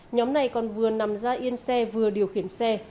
nhóm này còn vừa nằm ra yên xe vừa điều khiển xe